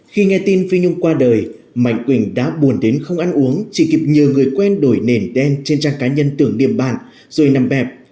khi nghe tin phi nhung qua đời mạnh quỳnh đã buồn đến không ăn uống chỉ kịp nhờ người quen đổi nền đen trên trang cá nhân tưởng niệm bản rồi nằm